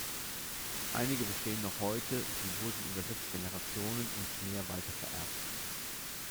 Einige bestehen noch heute, sie wurden über sechs Generationen und mehr weitervererbt.